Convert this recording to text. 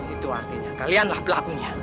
itu artinya kalianlah pelakunya